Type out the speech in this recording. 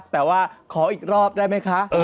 แต่ว่าขออีกรอบได้ไหมคะ